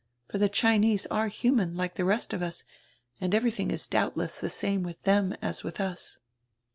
For die Chinese are human, like the rest of us, and everything is doubdess the same with diem as widi us."